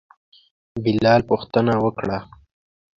بلال پوښتنه وکړه.